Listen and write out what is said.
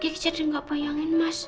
gak kejadian gak bayangin mas